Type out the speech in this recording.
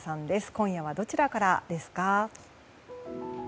今夜はどちらからですか？